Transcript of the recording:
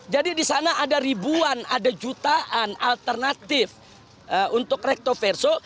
jadi disana ada ribuan ada jutaan alternatif untuk recto verso